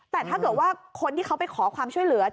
แต่ถ้าเกิดว่าคนที่เขาไปขอความช่วยเหลือ